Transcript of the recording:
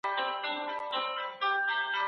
نوي ځوانان کولای سي تاريخي پېښې وڅېړي.